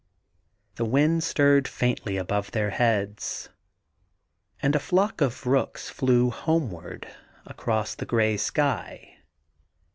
The wind stirred faintly above their heads, and a flock of rooks flew homeward across the grey sky.